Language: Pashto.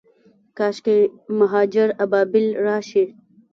کاشکي مهاجر ابابیل راشي